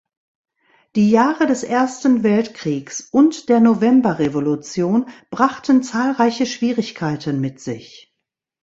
Die Jahre des Ersten Weltkriegs und der Novemberrevolution brachten zahlreiche Schwierigkeiten mit sich.